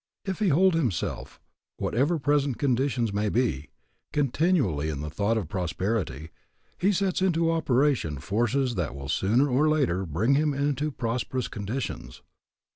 If he hold himself, whatever present conditions may be, continually in the thought of prosperity, he sets into operation forces that will sooner or later bring him into prosperous conditions.